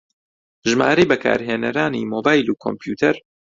ژمارەی بەکارهێنەرانی مۆبایل و کۆمپیوتەر